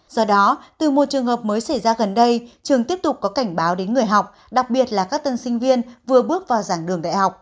do đó từ một trường hợp mới xảy ra gần đây trường tiếp tục có cảnh báo đến người học đặc biệt là các tân sinh viên vừa bước vào giảng đường đại học